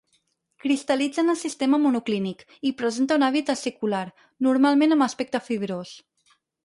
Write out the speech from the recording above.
Cristal·litza en el sistema monoclínic i presenta un hàbit acicular, normalment amb aspecte fibrós.